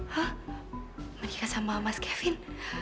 hah menikah sama mas kevin